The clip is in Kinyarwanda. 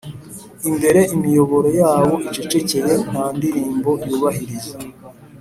imbere imiyoboro yabo icecekeye nta ndirimbo yubahiriza